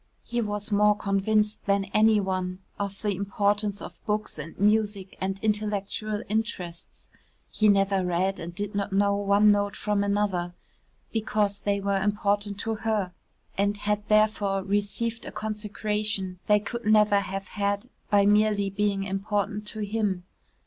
He was more convinced than any one of the importance of books and music and intellectual interests (he never read and did not know one note from another) because they were important to her and had therefore received a consecration they could never have had by merely being important to him.